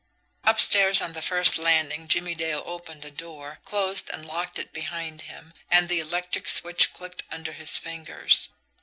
Upstairs on the first landing, Jimmie Dale opened a door, closed and locked it behind him and the electric switch clicked under his fingers.